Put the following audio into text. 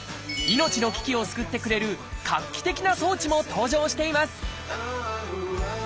命の危機を救ってくれる画期的な装置も登場しています